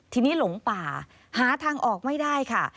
ทีนี้หลงป่าหาทางออกไม่ได้ค่ะ